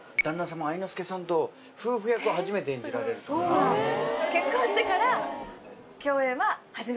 そうなんです。